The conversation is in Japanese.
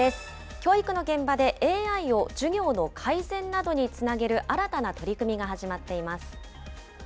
教育の現場でＡＩを授業の改善などにつなげる新たな取り組みが始まっています。